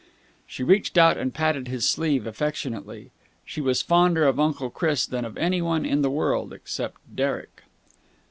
She reached out and patted his sleeve affectionately. She was fonder of Uncle Chris than of anyone in the world except Derek.